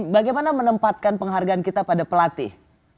bagaimana menempatkan penghargaan kita pada pelatih